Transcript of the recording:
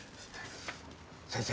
先生